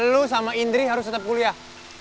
lu sama indri harus tetap kuliah